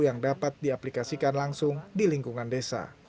yang dapat diaplikasikan langsung di lingkungan desa